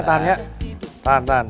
tahan ya tahan ya